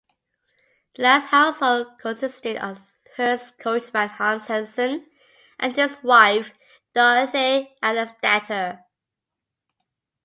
The last household consisted of hearse coachman Hans Hansen and his wife Dorothea Andersdatter.